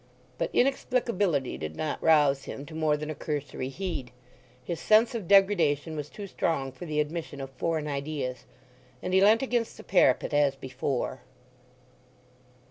But inexplicability did not rouse him to more than a cursory heed; his sense of degradation was too strong for the admission of foreign ideas; and he leant against the parapet as before.